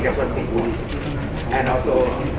พวกมันจัดสินค้าที่๑๙นาที